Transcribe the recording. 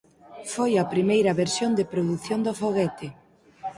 Foi a primeira versión de produción do foguete.